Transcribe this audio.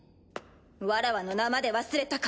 わらわの名まで忘れたか。